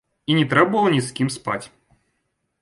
І не трэба было ні з кім спаць.